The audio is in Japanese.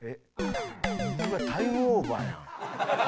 うわっタイムオーバーやん。